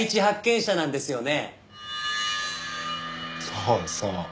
そうそう。